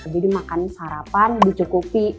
jadi makan sarapan dicukupi